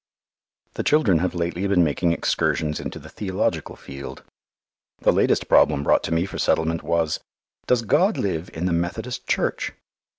The children have lately been making excursions into the theological field. The latest problem brought to me for settlement was, "Does God live in the Methodist Church?"